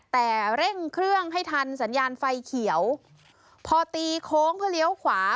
แต่เร่งเครื่องให้ทันสัญญาณไฟเขียวพอตีโค้งเพื่อเลี้ยวขวา